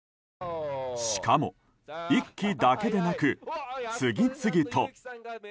しかも１機だけでなく、次々と。